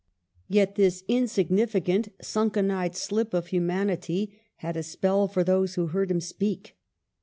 Yet this insignificant, sunken eyed slip of hu manity had a spell for those who heard him speak.